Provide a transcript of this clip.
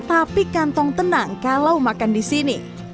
tapi kantong tenang kalau makan di sini